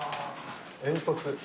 煙突。